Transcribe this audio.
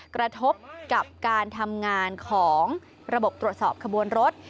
กระทบกับการทำงานของระบบตรวจสอบขบวนรถ